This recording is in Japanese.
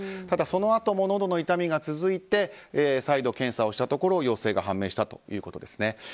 ただ、そのあとものどの痛みが続いて再度検査をしたところ陽性が判明したということです。